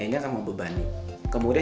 maka dia akan membeli kembali